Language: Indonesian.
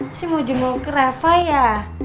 mesti mau jenguk ke refah ya